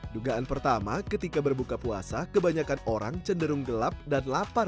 dugaan pertama ketika berbuka puasa kebanyakan orang cenderung gelap dan lapar